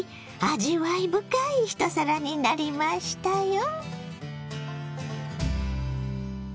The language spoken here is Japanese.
味わい深い一皿になりましたよ。